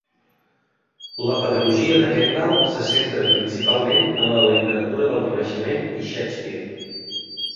La pedagogia de Kendall se centra principalment en la literatura del Renaixement i Shakespeare.